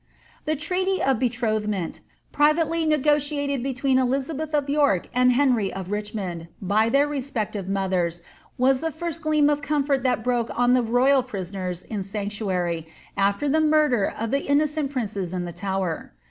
The treaty of betrothment, privately negotiated between Elizabeth of York and Henry of Richmond, by their respective mothers,^ was the first gleam of comfort that broke on the royal prisoners in sanctuary after th^ murder of the innocent princes in the Tower.